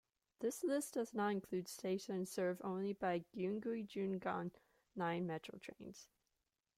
This list does not include stations served only by Gyeongui-Jungang Line metro trains.